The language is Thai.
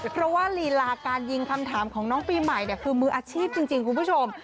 เพราะว่าลีลาการยิงคำถามของน้องปีใหม่คือมืออาชีพจริงคุณผู้ชม